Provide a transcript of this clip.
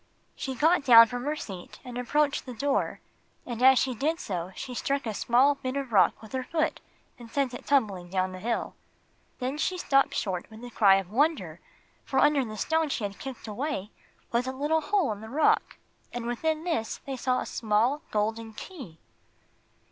She got down from her seat and approached the door, and as she did so she struck a small bit of rock with her foot and sent it tumbling down the hill. Then she stopped short with a cry of wonder, for under the stone she had kicked away was a little hole in the rock, and within this they saw a small golden key.